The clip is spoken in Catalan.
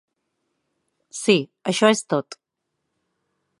Sí, això és tot.